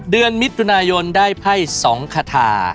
เดือนมิถุนายนได้ไพ่๒คาถา